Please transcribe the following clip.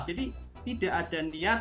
jadi tidak ada niat